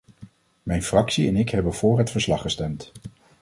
Mijn fractie en ik hebben voor het verslag gestemd.